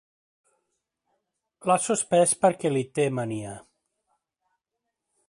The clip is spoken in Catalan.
L'ha suspès perquè li té mania.